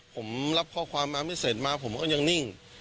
ผมรับข้อความมาไม่เสร็จมาผมก็ยังนิ่ง